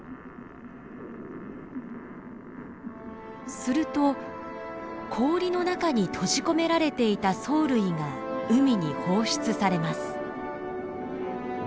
すると氷の中に閉じ込められていた藻類が海に放出されます。